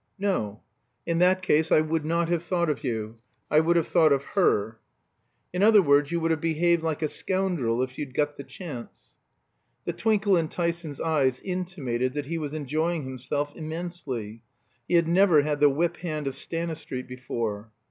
"No. In that case I would not have thought of you. I would have thought of her." "In other words, you would have behaved like a scoundrel if you'd got the chance." The twinkle in Tyson's eyes intimated that he was enjoying himself immensely. He had never had the whip hand of Stanistreet before.